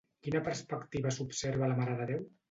Quina perspectiva s'observa a La Mare de Déu?